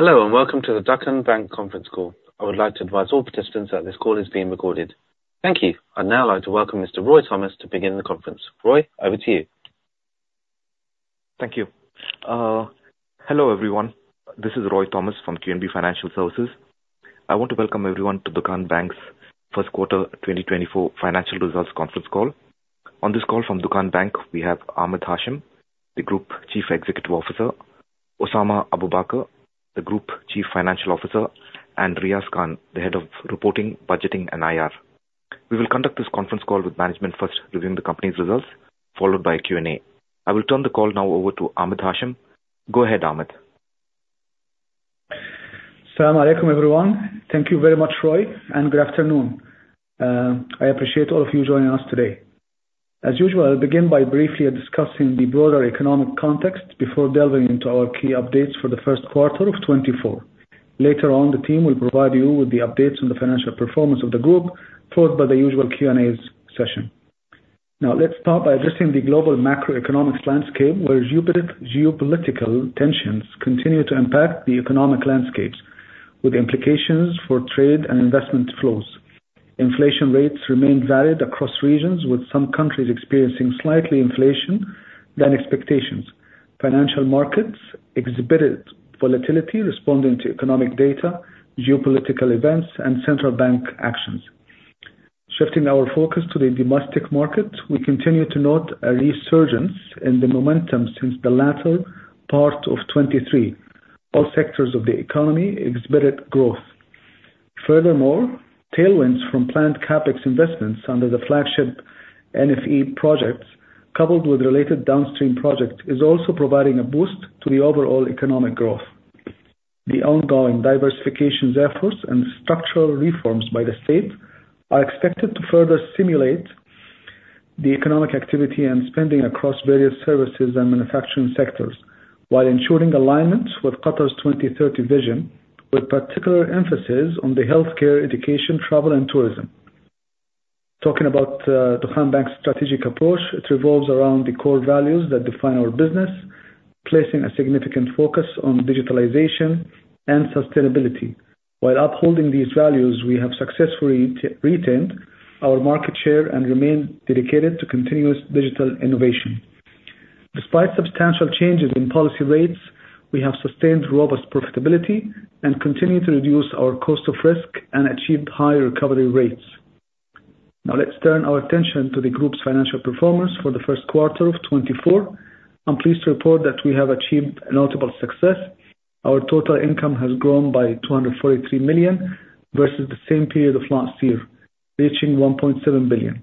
Hello, welcome to the Dukhan Bank conference call. I would like to advise all participants that this call is being recorded. Thank you. I'd now like to welcome Mr. Roy Thomas to begin the conference. Roy, over to you. Thank you. Hello, everyone. This is Roy Thomas from QNB Financial Services. I want to welcome everyone to Dukhan Bank's first quarter 2024 financial results conference call. On this call from Dukhan Bank, we have Ahmed Hashem, the Group Chief Executive Officer, Osama Abu Baker, the Group Chief Financial Officer, and Riaz Khan, the Head of Reporting, Budgeting, and IR. We will conduct this conference call with management first, reviewing the company's results, followed by a Q&A. I will turn the call now over to Ahmed Hashem. Go ahead, Ahmed. Salam alaikum, everyone. Thank you very much, Roy, good afternoon. I appreciate all of you joining us today. As usual, I'll begin by briefly discussing the broader economic context before delving into our key updates for the first quarter of 2024. Later on, the team will provide you with the updates on the financial performance of the group, followed by the usual Q&A session. Let's start by addressing the global macroeconomics landscape, where geopolitical tensions continue to impact the economic landscapes, with implications for trade and investment flows. Inflation rates remain varied across regions, with some countries experiencing slightly inflation than expectations. Financial markets exhibited volatility responding to economic data, geopolitical events, and central bank actions. Shifting our focus to the domestic market, we continue to note a resurgence in the momentum since the latter part of 2023. All sectors of the economy experienced growth. Tailwinds from planned CapEx investments under the flagship NFE project, coupled with related downstream projects, is also providing a boost to the overall economic growth. The ongoing diversifications efforts and structural reforms by the state are expected to further stimulate the economic activity and spending across various services and manufacturing sectors while ensuring alignment with Qatar's 2030 vision, with particular emphasis on the healthcare, education, travel, and tourism. Talking about Dukhan Bank's strategic approach, it revolves around the core values that define our business, placing a significant focus on digitalization and sustainability. While upholding these values, we have successfully retained our market share and remain dedicated to continuous digital innovation. Despite substantial changes in policy rates, we have sustained robust profitability and continue to reduce our cost of risk and achieved high recovery rates. Let's turn our attention to the group's financial performance for the first quarter of 2024. I'm pleased to report that we have achieved notable success. Our total income has grown by 243 million versus the same period of last year, reaching 1.7 billion.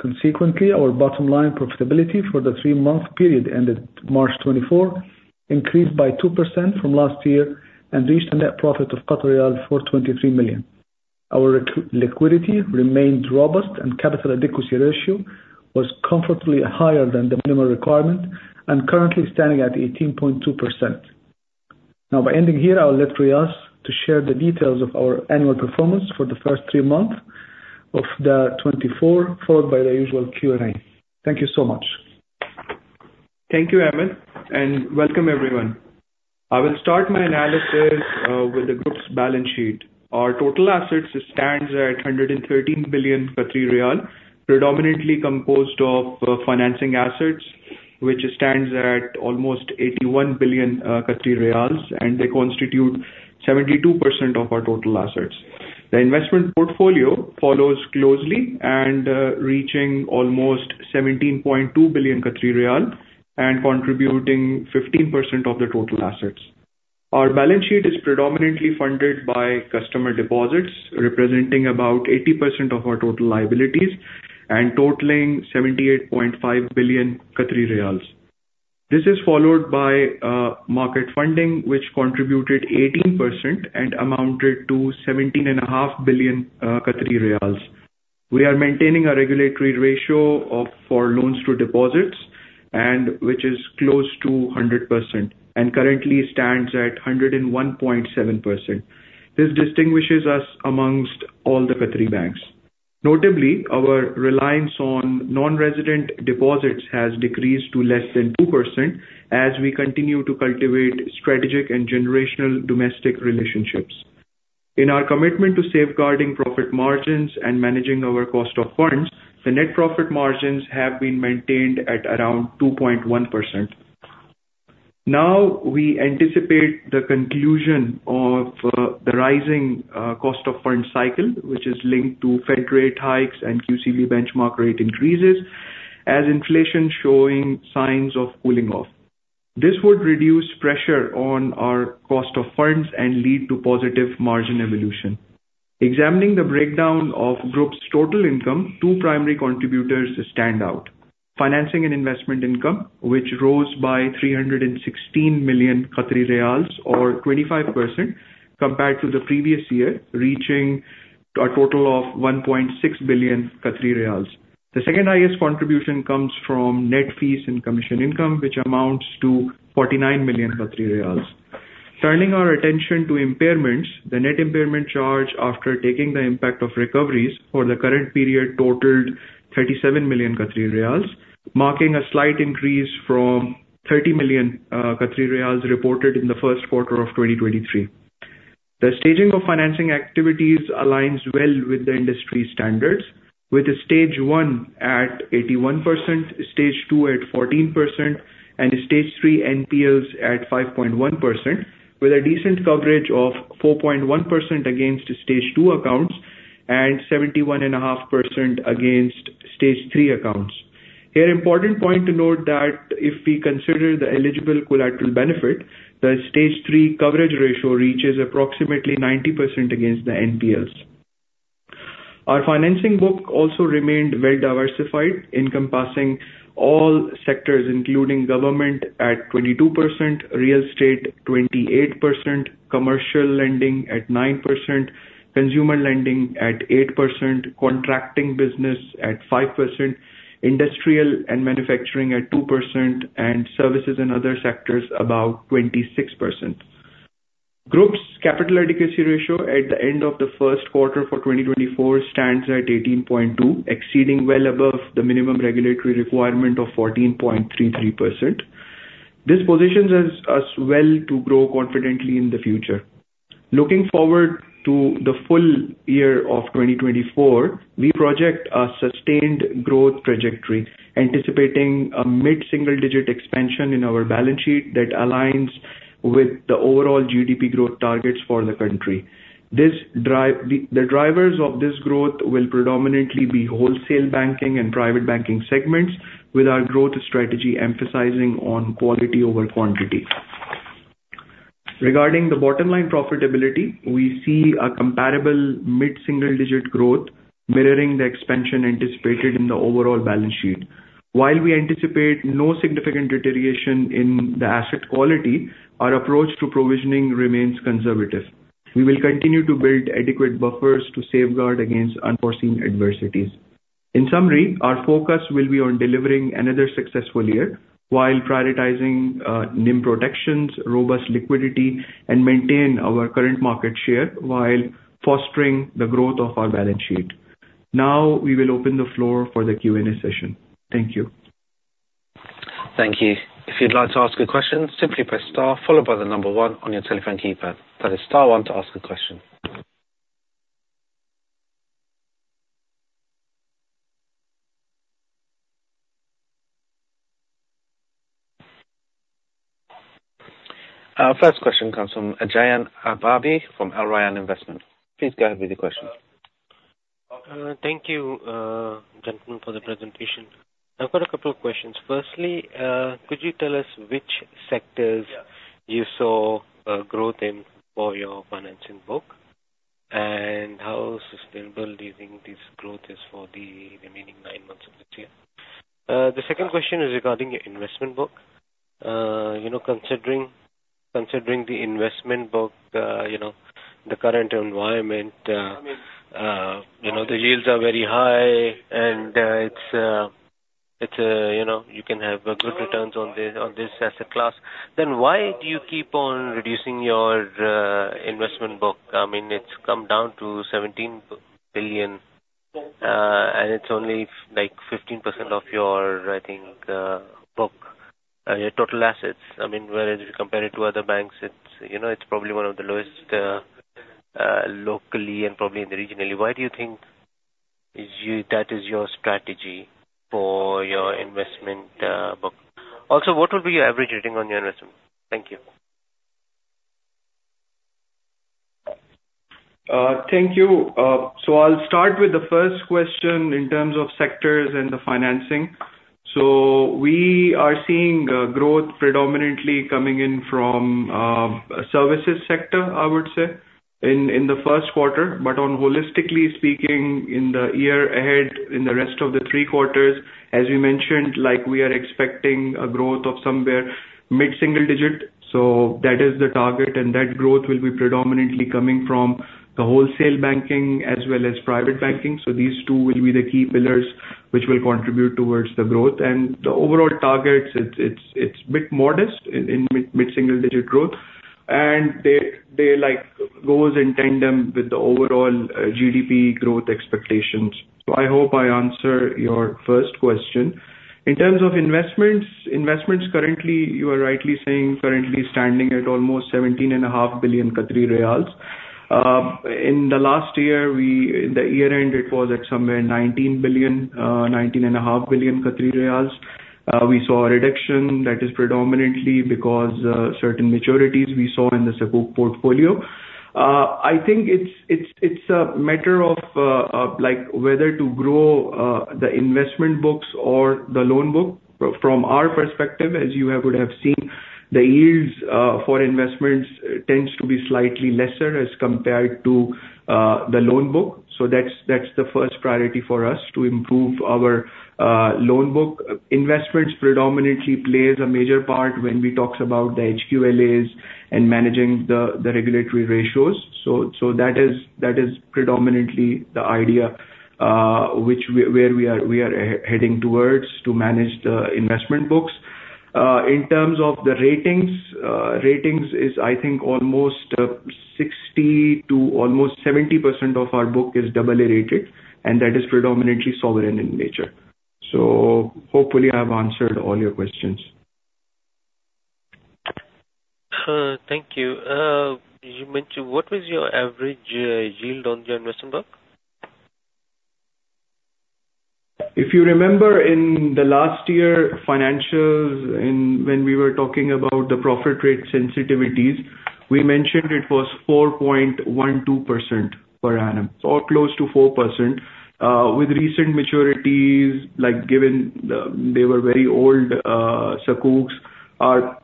Consequently, our bottom line profitability for the three-month period ended March 2024 increased by 2% from last year and reached a net profit of 23 million. Our liquidity remained robust, and capital adequacy ratio was comfortably higher than the minimum requirement and currently standing at 18.2%. Now by ending here, I'll let Riaz to share the details of our annual performance for the first three months of 2024, followed by the usual Q&A. Thank you so much. Thank you, Ahmed, and welcome everyone. I will start my analysis with the group's balance sheet. Our total assets stands at 113 billion riyal, predominantly composed of financing assets, which stands at almost 81 billion, and they constitute 72% of our total assets. The investment portfolio follows closely and reaching almost 17.2 billion riyal and contributing 15% of the total assets. Our balance sheet is predominantly funded by customer deposits, representing about 80% of our total liabilities and totaling 78.5 billion riyals. This is followed by market funding, which contributed 18% and amounted to 17.5 billion riyals. We are maintaining a regulatory ratio for loans to deposits which is close to 100% and currently stands at 101.7%. This distinguishes us amongst all the Qatari banks. Notably, our reliance on non-resident deposits has decreased to less than 2% as we continue to cultivate strategic and generational domestic relationships. In our commitment to safeguarding profit margins and managing our cost of funds, the net profit margins have been maintained at around 2.1%. We anticipate the conclusion of the rising cost of fund cycle, which is linked to Fed rate hikes and QCB benchmark rate increases as inflation showing signs of cooling off. This would reduce pressure on our cost of funds and lead to positive margin evolution. Examining the breakdown of group's total income, two primary contributors stand out. Financing and investment income, which rose by 316 million, or 25% compared to the previous year, reaching a total of 1.6 billion Qatari riyals. The second highest contribution comes from net fees and commission income, which amounts to 49 million Qatari riyals. Turning our attention to impairments, the net impairment charge after taking the impact of recoveries for the current period totaled 37 million Qatari riyals, marking a slight increase from 30 million Qatari riyals reported in the first quarter of 2023. The staging of financing activities aligns well with the industry standards, with stage 1 at 81%, stage 2 at 14%, and stage 3 NPLs at 5.1%, with a decent coverage of 4.1% against stage 2 accounts and 71.5% against stage 3 accounts. An important point to note that if we consider the eligible collateral benefit, the stage 3 coverage ratio reaches approximately 90% against the NPLs. Our financing book also remained very diversified, encompassing all sectors, including government at 22%, real estate 28%, commercial lending at 9%, consumer lending at 8%, contracting business at 5%, industrial and manufacturing at 2%, and services in other sectors about 26%. Group's capital adequacy ratio at the end of the first quarter for 2024 stands at 18.2%, exceeding well above the minimum regulatory requirement of 14.33%. This positions us well to grow confidently in the future. Looking forward to the full year of 2024, we project a sustained growth trajectory, anticipating a mid-single-digit expansion in our balance sheet that aligns with the overall GDP growth targets for the country. The drivers of this growth will predominantly be wholesale banking and private banking segments, with our growth strategy emphasizing on quality over quantity. Regarding the bottom line profitability, we see a comparable mid-single-digit growth mirroring the expansion anticipated in the overall balance sheet. While we anticipate no significant deterioration in the asset quality, our approach to provisioning remains conservative. We will continue to build adequate buffers to safeguard against unforeseen adversities. In summary, our focus will be on delivering another successful year while prioritizing NIM protections, robust liquidity, and maintain our current market share while fostering the growth of our balance sheet. We will open the floor for the Q&A session. Thank you. Thank you. If you'd like to ask a question, simply press star followed by the number 1 on your telephone keypad. That is star 1 to ask a question. Our first question comes from Ajay Ababi from Al Rayan Investment. Please go ahead with your question. Thank you, gentlemen, for the presentation. I've got a couple of questions. Firstly, could you tell us which sectors you saw growth in for your financing book? How sustainable do you think this growth is for the remaining nine months of this year? The second question is regarding your investment book. Considering the investment book, the current environment, the yields are very high and you can have good returns on this asset class. Why do you keep on reducing your investment book? It's come down to 17 billion, and it's only 15% of your, I think, book. Your total assets. Whereas if you compare it to other banks, it's probably one of the lowest locally and probably regionally. Why do you think that is your strategy for your investment book? What would be your average rating on your investment? Thank you. Thank you. I'll start with the first question in terms of sectors and the financing. We are seeing growth predominantly coming in from services sector, I would say, in the first quarter. On holistically speaking, in the year ahead, in the rest of the three quarters, as we mentioned, we are expecting a growth of somewhere mid-single digit. That is the target, and that growth will be predominantly coming from the wholesale banking as well as private banking. These two will be the key pillars which will contribute towards the growth. The overall targets, it's a bit modest in mid-single digit growth. They goes in tandem with the overall GDP growth expectations. I hope I answer your first question. In terms of investments, currently you are rightly saying currently standing at almost 17.5 billion riyals. In the last year, the year-end, it was at somewhere 19 billion, 19.5 billion riyals. We saw a reduction that is predominantly because certain maturities we saw in the Sukuk portfolio. I think it's a matter of whether to grow the investment books or the loan book. From our perspective, as you would have seen, the yields for investments tends to be slightly lesser as compared to the loan book. That's the first priority for us to improve our loan book. Investments predominantly plays a major part when we talk about the HQLAs and managing the regulatory ratios. That is predominantly the idea where we are heading towards to manage the investment books. In terms of the ratings is I think almost 60% to almost 70% of our book is double A-rated, and that is predominantly sovereign in nature. Hopefully I've answered all your questions. Thank you. You mentioned, what was your average yield on your investment book? If you remember in the last year financials and when we were talking about the profit rate sensitivities, we mentioned it was 4.12% per annum, or close to 4%. With recent maturities, given they were very old Sukuks, our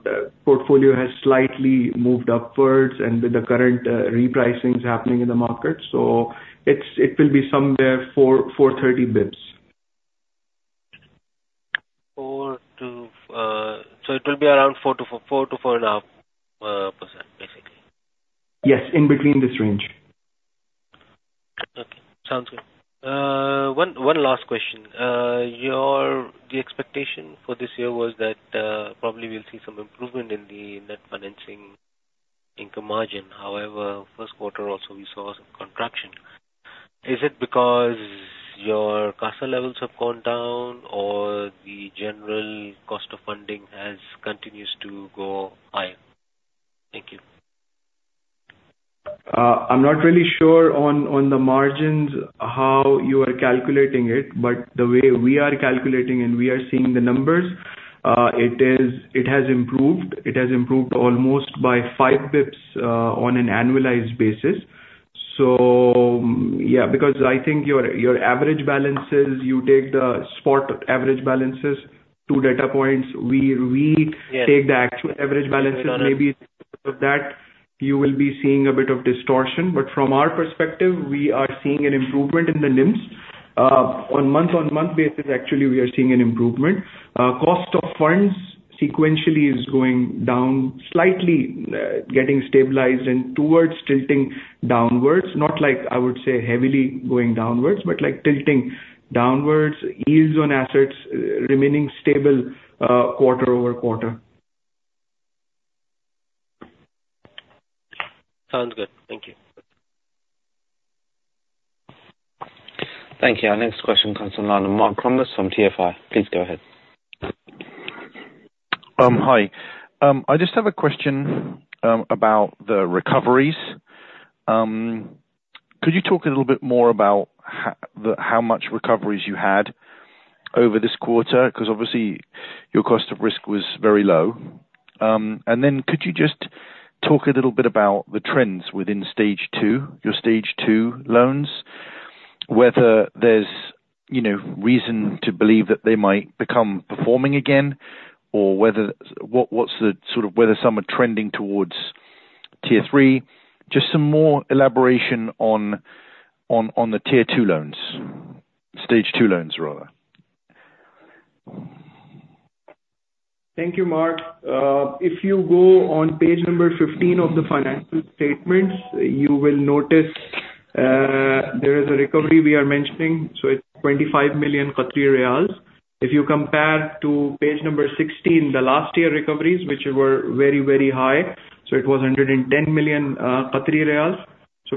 portfolio has slightly moved upwards and with the current repricings happening in the market. It will be somewhere 430 basis points. It will be around 4 to 4.5%, basically. Yes. In between this range. Okay, sounds good. One last question. The expectation for this year was that probably we will see some improvement in the net financing income margin. However, first quarter also we saw some contraction. Is it because your CASA levels have gone down or the general cost of funding has continues to go high? Thank you. I am not really sure on the margins how you are calculating it, but the way we are calculating and we are seeing the numbers, it has improved. It has improved almost by 5 basis points on an annualized basis. Yeah, because I think your average balances, you take the spot average balances, 2 data points. Got it. Maybe because of that you will be seeing a bit of distortion. From our perspective, we are seeing an improvement in the NIMs. On month-on-month basis actually we are seeing an improvement. Cost of funds sequentially is going down slightly, getting stabilized and towards tilting downwards. Not like I would say heavily going downwards, but like tilting downwards. Yields on assets remaining stable quarter-over-quarter. Sounds good. Thank you. Thank you. Our next question comes from the line of Mark Cromer from TFI. Please go ahead. Hi. I just have a question about the recoveries. Could you talk a little bit more about how much recoveries you had over this quarter? Because obviously your cost of risk was very low. Could you just talk a little bit about the trends within stage 2, your stage 2 loans, whether there's reason to believe that they might become performing again or whether some are trending towards tier 3? Just some more elaboration on the tier 2 loans. Stage 2 loans, rather. Thank you, Mark. If you go on page number 15 of the financial statements, you will notice there is a recovery we are mentioning, so it's 25 million riyals. If you compare to page number 16, the last year recoveries, which were very, very high, so it was 110 million riyals.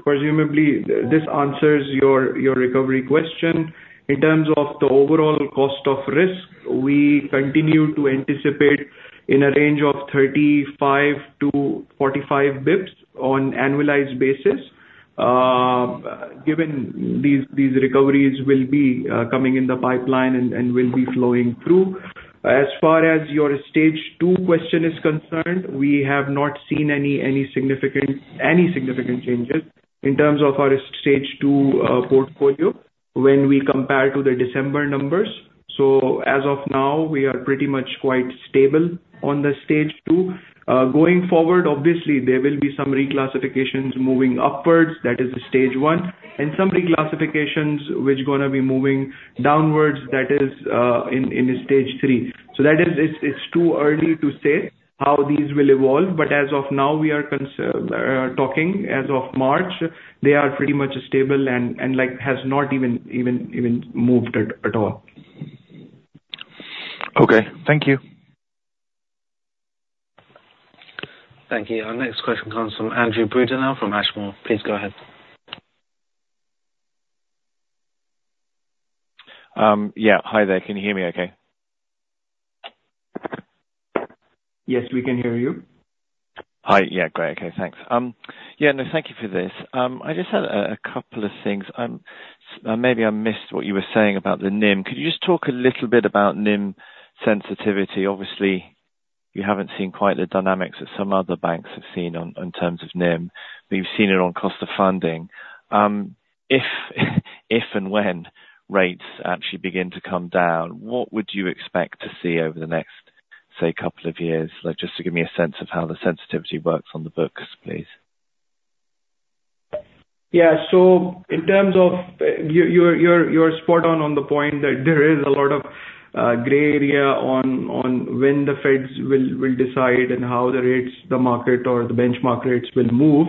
Presumably this answers your recovery question. In terms of the overall cost of risk, we continue to anticipate in a range of 35 to 45 basis points on annualized basis, given these recoveries will be coming in the pipeline and will be flowing through. As far as your stage 2 question is concerned, we have not seen any significant changes in terms of our stage 2 portfolio when we compare to the December numbers. As of now, we are pretty much quite stable on the stage 2. Going forward, obviously there will be some reclassifications moving upwards, that is stage 1, and some reclassifications which are going to be moving downwards, that is in stage 3. It's too early to say how these will evolve but as of now we are talking as of March, they are pretty much stable and has not even moved at all. Okay. Thank you. Thank you. Our next question comes from Andrew Brudenell from Ashmore. Please go ahead. Yeah. Hi there. Can you hear me okay? Yes, we can hear you. Hi. Yeah, great. Okay, thanks. Yeah, no, thank you for this. I just had a couple of things. Maybe I missed what you were saying about the NIM. Could you just talk a little bit about NIM sensitivity? Obviously, you haven't seen quite the dynamics that some other banks have seen in terms of NIM, but you've seen it on cost of funding. If and when rates actually begin to come down, what would you expect to see over the next, say, couple of years? Just to give me a sense of how the sensitivity works on the books, please. Yeah. In terms of, you're spot on the point that there is a lot of gray area on when the Feds will decide and how the rates, the market or the benchmark rates will move.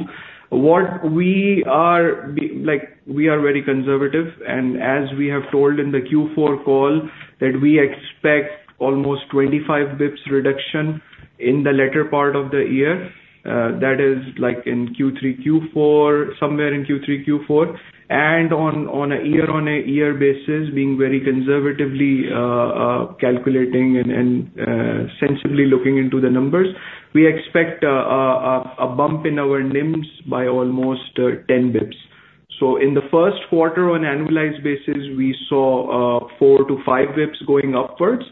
We are very conservative, and as we have told in the Q4 call, that we expect almost 25 bps reduction in the latter part of the year. That is like in Q3, Q4, somewhere in Q3, Q4, and on a year-on-year basis, being very conservatively calculating and sensibly looking into the numbers. We expect a bump in our NIMs by almost 10 bps. In the first quarter on annualized basis, we saw four to five bps going upwards.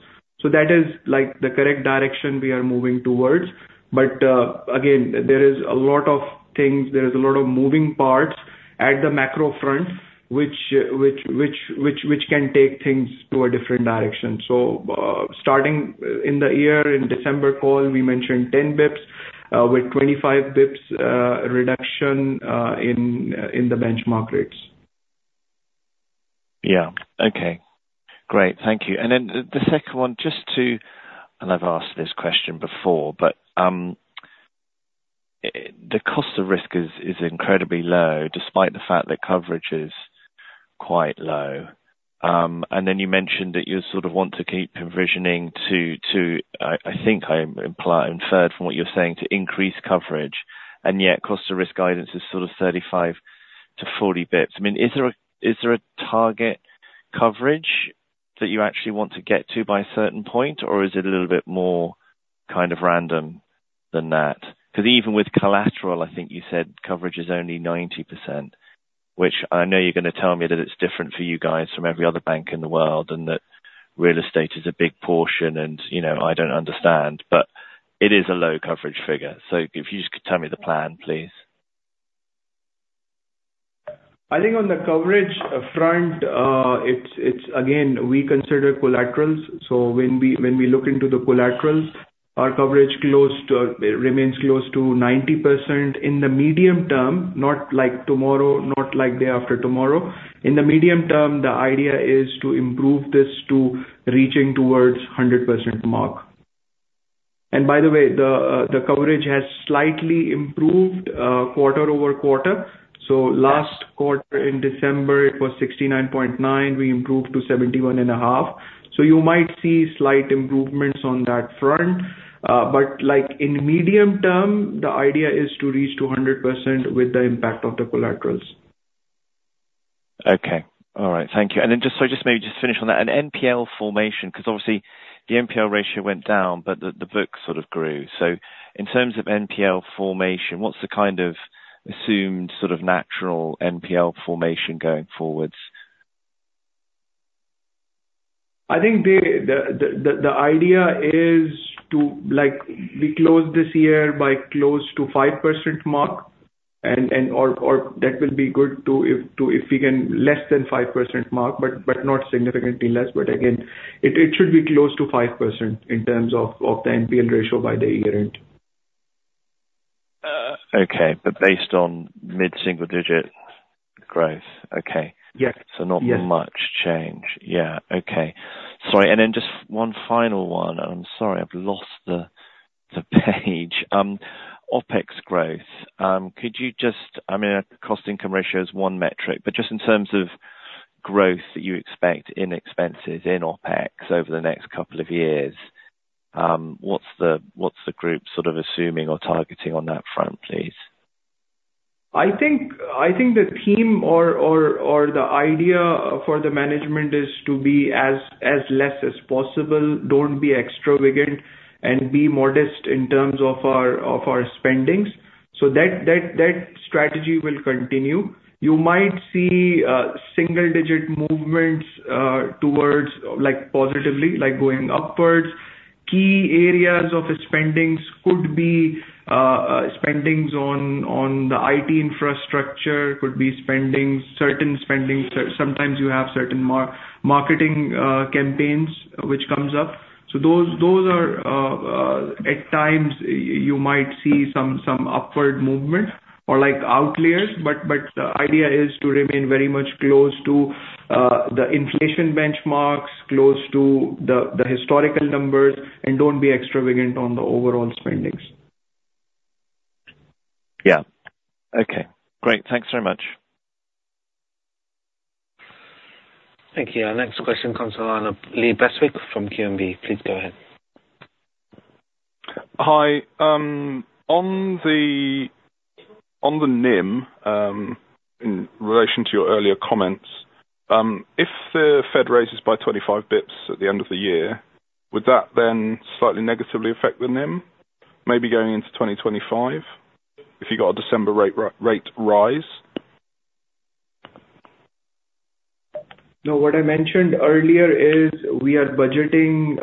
That is the correct direction we are moving towards. Again, there is a lot of things, there is a lot of moving parts at the macro front, which can take things to a different direction. Starting in the year, in December call, we mentioned 10 bps, with 25 bps reduction in the benchmark rates. Yeah. Okay. Great. Thank you. Then the second one, I've asked this question before, the cost of risk is incredibly low despite the fact that coverage is quite low. Then you mentioned that you sort of want to keep provisioning to, I think I inferred from what you're saying, to increase coverage. Yet cost of risk guidance is sort of 35 to 40 bps. Is there a target coverage that you actually want to get to by a certain point, or is it a little bit more kind of random than that? Because even with collateral, I think you said coverage is only 90%, which I know you're going to tell me that it's different for you guys from every other bank in the world, that real estate is a big portion, I don't understand, it is a low coverage figure. If you just could tell me the plan, please. I think on the coverage front, again, we consider collaterals. When we look into the collaterals, our coverage remains close to 90% in the medium term, not like tomorrow, not like day after tomorrow. In the medium term, the idea is to improve this to reaching towards 100% mark. By the way, the coverage has slightly improved quarter-over-quarter. Last quarter in December, it was 69.9. We improved to 71.5%. You might see slight improvements on that front. In medium term, the idea is to reach to 100% with the impact of the collaterals. Okay. All right. Thank you. Then just so I maybe just finish on that. NPL formation, because obviously the NPL ratio went down, but the book sort of grew. In terms of NPL formation, what's the kind of assumed natural NPL formation going forwards? I think the idea is to close this year by close to 5% mark and all that will be good too if we can less than 5% mark, not significantly less. Again, it should be close to 5% in terms of the NPL ratio by the year end. Okay. Based on mid-single-digit growth. Okay. Yeah. not much change. Yeah. Okay. Sorry. Then just one final one. I'm sorry, I've lost the page. OPEX growth. Cost income ratio is one metric, but just in terms of growth that you expect in expenses in OPEX over the next couple of years, what's the group sort of assuming or targeting on that front, please? I think the theme or the idea for the management is to be as less as possible, don't be extravagant, and be modest in terms of our spendings. That strategy will continue. You might see single digit movements towards positively, like going upwards. Key areas of spendings could be spendings on the IT infrastructure, could be certain spendings, sometimes you have certain marketing campaigns which comes up. Those are at times you might see some upward movement or outliers. The idea is to remain very much close to the inflation benchmarks, close to the historical numbers, and don't be extravagant on the overall spendings. Yeah. Okay. Great. Thanks very much. Thank you. Our next question comes from Lee Beswick from QNB. Please go ahead. Hi. On the NIM, in relation to your earlier comments, if the Fed raises by 25 bps at the end of the year, would that then slightly negatively affect the NIM, maybe going into 2025, if you got a December rate rise? No. What I mentioned earlier is we are budgeting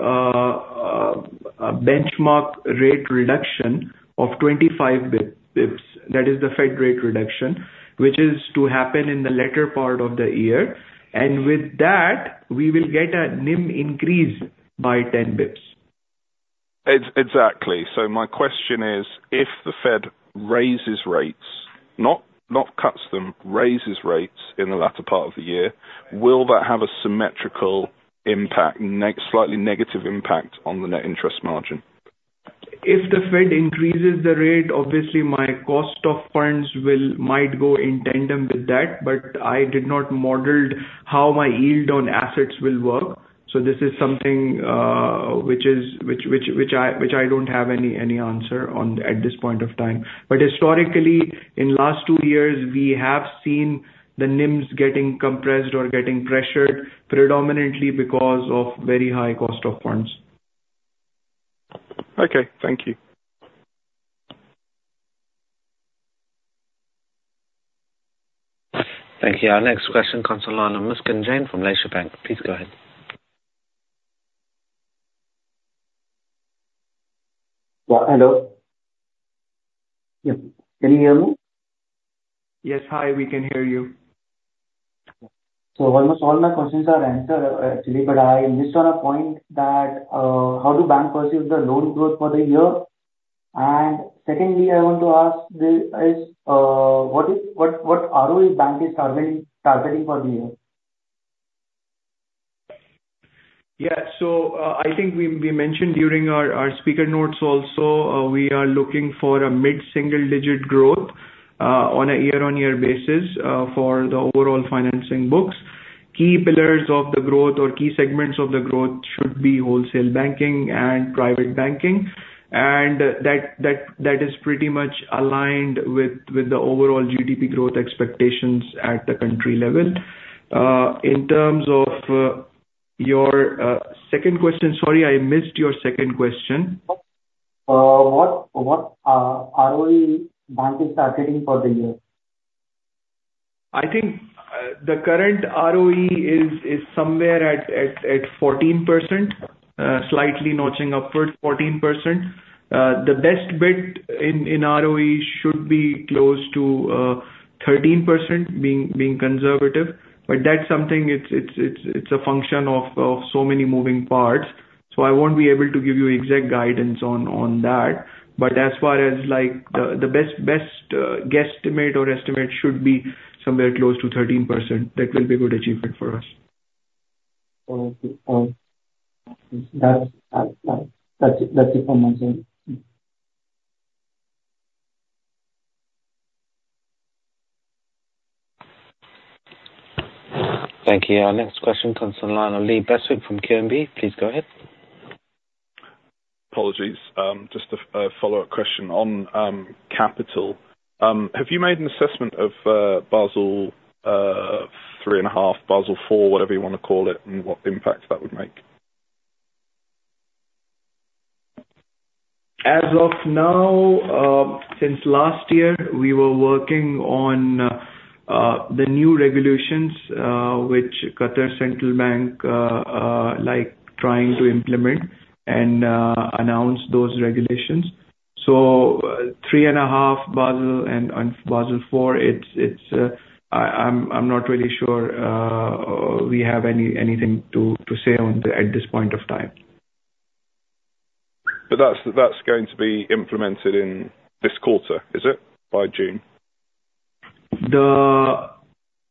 a benchmark rate reduction of 25 bps. That is the Fed rate reduction, which is to happen in the latter part of the year. With that, we will get a NIM increase by 10 bps. Exactly. My question is: if the Fed raises rates, not cuts them, raises rates in the latter part of the year, will that have a symmetrical impact, slightly negative impact on the net interest margin? If the Fed increases the rate, obviously my cost of funds might go in tandem with that, I did not modeled how my yield on assets will work. This is something which I don't have any answer on at this point of time. Historically, in last two years, we have seen the NIMs getting compressed or getting pressured predominantly because of very high cost of funds. Okay. Thank you. Thank you. Our next question comes on the line Muskan Jain from Lesha Bank. Please go ahead. Yeah, hello. Can you hear me? Yes. Hi. We can hear you. Almost all my questions are answered actually. I missed on a point that how do the bank perceive the loan growth for the year? Secondly, I want to ask, what ROE the bank is targeting for the year? I think we mentioned during our speaker notes also, we are looking for a mid-single-digit growth on a year-on-year basis for the overall financing books. Key pillars of the growth or key segments of the growth should be wholesale banking and private banking. That is pretty much aligned with the overall GDP growth expectations at the country level. In terms of your second question, sorry, I missed your second question. What ROE the bank is targeting for the year? I think the current ROE is somewhere at 14%, slightly notching upward 14%. The best bit in ROE should be close to 13%, being conservative. That's something, it's a function of so many moving parts, so I won't be able to give you exact guidance on that. As far as the best guesstimate or estimate should be somewhere close to 13%. That will be a good achievement for us. That's it from my end. Thank you. Our next question comes on the line of Lee Beswick from QNB. Please go ahead. Apologies. Just a follow-up question on capital. Have you made an assessment of Basel 3.5, Basel IV, whatever you want to call it, and what impact that would make? As of now, since last year, we were working on the new regulations which Qatar Central Bank trying to implement and announce those regulations. 3.5 Basel and Basel IV, I am not really sure we have anything to say at this point of time. That is going to be implemented in this quarter, is it? By June? The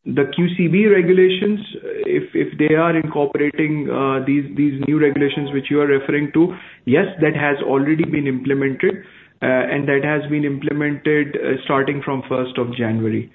QCB regulations, if they are incorporating these new regulations which you are referring to, yes, that has already been implemented, and that has been implemented starting from 1st of January.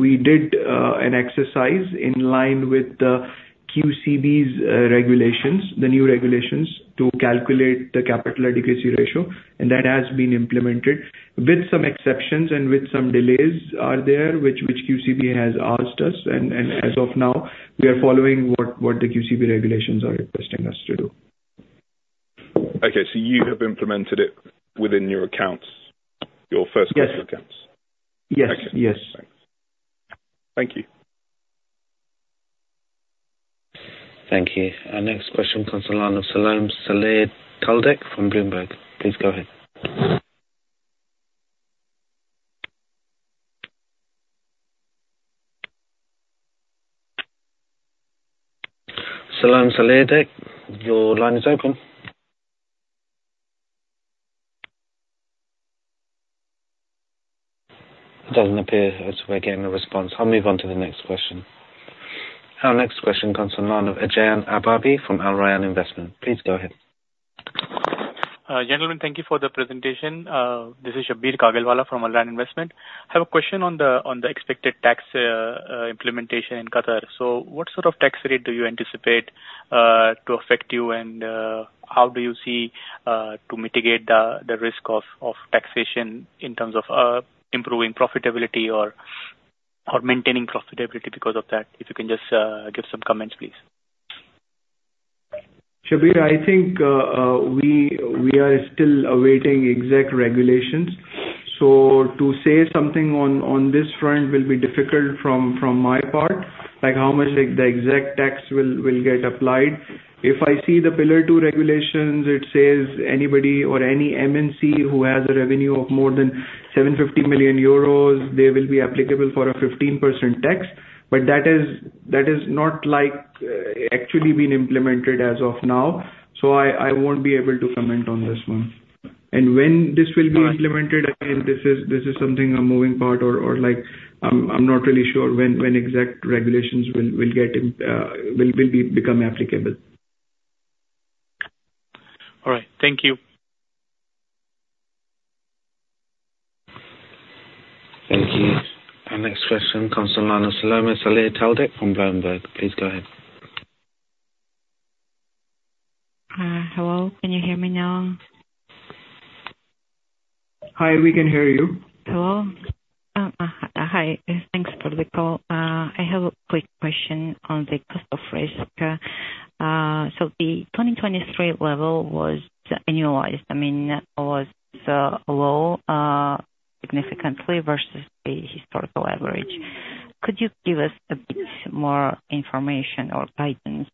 We did an exercise in line with the QCB's regulations, the new regulations, to calculate the capital adequacy ratio, and that has been implemented with some exceptions and with some delays are there which QCB has asked us, and as of now, we are following what the QCB regulations are requesting us to do. Okay, you have implemented it within your accounts, your first quarter accounts? Yes. Okay. Thanks. Thank you. Thank you. Our next question comes to line of Salome Saler Caldec from Bloomberg. Please go ahead. Salome Saler Caldec, your line is open. It doesn't appear as we're getting a response. I'll move on to the next question. Our next question comes to line of Ajay Ababi from AlRayan Investment. Please go ahead. Gentlemen, thank you for the presentation. This is Shabbir Kagalwala from AlRayan Investment. I have a question on the expected tax implementation in Qatar. What sort of tax rate do you anticipate to affect you and how do you see to mitigate the risk of taxation in terms of improving profitability or maintaining profitability because of that? If you can just give some comments, please. Shabbir, I think we are still awaiting exact regulations. To say something on this front will be difficult from my part. Like how much the exact tax will get applied. If I see the Pillar Two regulations, it says anybody or any MNC who has a revenue of more than 750 million euros, they will be applicable for a 15% tax. That is not actually been implemented as of now. I won't be able to comment on this one. When this will be implemented, again, this is something a moving part or I'm not really sure when exact regulations will become applicable. All right. Thank you. Thank you. Our next question comes from Lana Selome Selyateld from Bloomberg. Please go ahead. Hello, can you hear me now? Hi, we can hear you. Hello. Hi. Thanks for the call. I have a quick question on the cost of risk. The 2023 level was annualized, I mean, was low significantly versus the historical average. Could you give us a bit more information or guidance?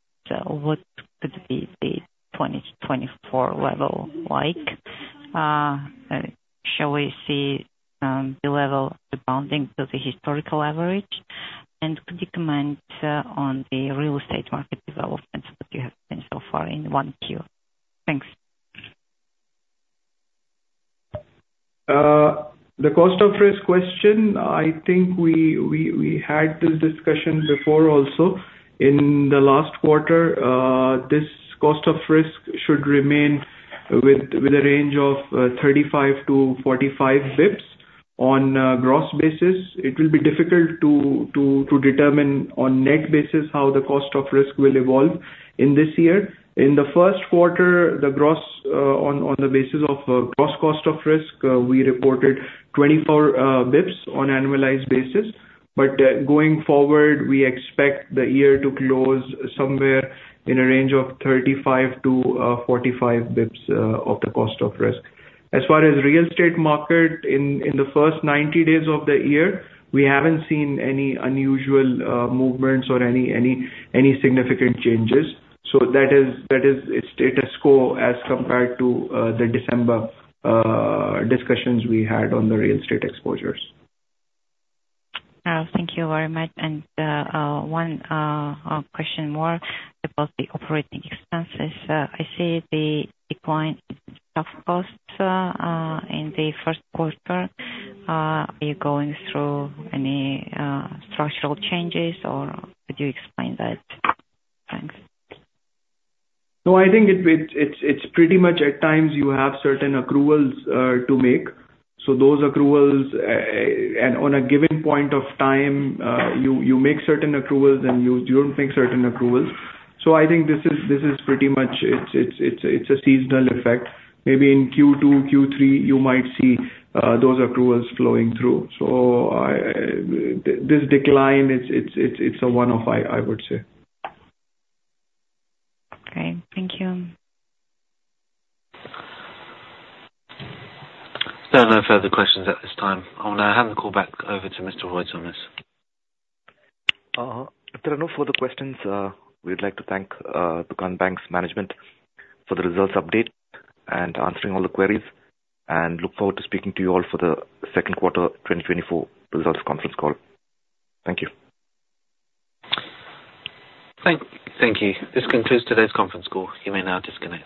What could be the 2024 level like? Shall we see the level rebounding to the historical average, and could you comment on the real estate market developments that you have seen so far in one Q? Thanks. The cost of risk question, I think we had this discussion before also. In the last quarter, this cost of risk should remain with a range of 35-45 bps on a gross basis. It will be difficult to determine on net basis how the cost of risk will evolve in this year. In the first quarter, on the basis of gross cost of risk, we reported 24 bps on annualized basis. Going forward, we expect the year to close somewhere in a range of 35-45 bps of the cost of risk. As far as real estate market in the first 90 days of the year, we haven't seen any unusual movements or any significant changes. That is its status quo as compared to the December discussions we had on the real estate exposures. Thank you very much. One question more about the operating expenses. I see the decline in staff costs, in the first quarter. Are you going through any structural changes or could you explain that? Thanks. No, I think it's pretty much at times you have certain accruals to make. Those accruals, on a given point of time, you make certain accruals and you don't make certain accruals. I think this is pretty much, it's a seasonal effect. Maybe in Q2, Q3, you might see those accruals flowing through. This decline, it's a one-off, I would say. Okay. Thank you. There are no further questions at this time. I'll now hand the call back over to Mr. Roy Thomas. If there are no further questions, we'd like to thank Dukhan Bank's management for the results update and answering all the queries, and look forward to speaking to you all for the second quarter 2024 results conference call. Thank you. Thank you. This concludes today's conference call. You may now disconnect.